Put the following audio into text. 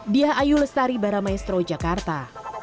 diayu lestari baramaestro jakarta